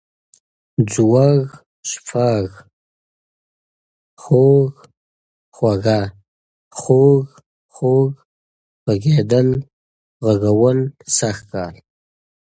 ځوږ، شپږ، خوَږ، خُوږه ، خوږ، خوږ ، غږېدل، غږول، سږ کال